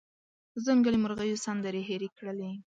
ځنګلي مرغېو سندرې هیرې کړلې